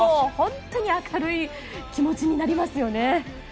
本当に明るい気持ちになりますよね。